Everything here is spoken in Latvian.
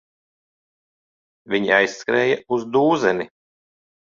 Viņi aizskrēja uz dūzeni.